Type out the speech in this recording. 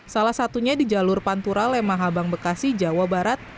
salah satunya di jalur pantura lemah bekasi jawa barat